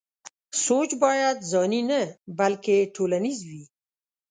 سوچ بايد ځاني نه بلکې ټولنيز وي.